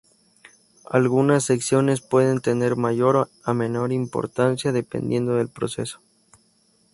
Algunas secciones pueden tener mayor o menor importancia dependiendo del proceso.